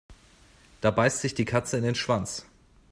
Da beißt sich die Katze in den Schwanz.